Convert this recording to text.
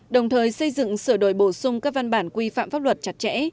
đồng thời xây dựng sửa đổi bổ sung các văn bản quy phạm pháp luật chặt chẽ